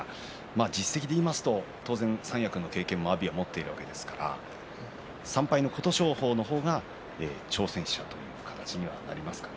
実績でいうと当然三役の経験がある阿炎が持っているわけですから３敗の琴勝峰の方が挑戦者という形にはなりますかね。